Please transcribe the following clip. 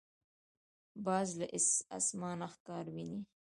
باز له اسمانه ښکار ویني.